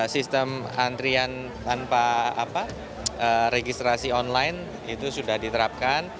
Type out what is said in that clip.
sistem antrian tanpa registrasi online itu sudah diterapkan